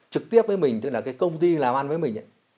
trực tiếp với mình tức là cái công ty làm ăn với mình ấy